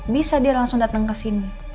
bisa dia langsung dateng kesini